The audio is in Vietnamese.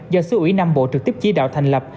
do sứ ủy nam bộ trực tiếp chỉ đạo thành lập